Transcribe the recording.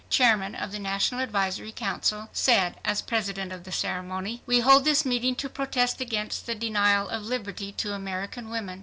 chairman of the National Advisory Council, said, as president of the ceremony: "We hold this meeting to protest against the denial of liberty to American women.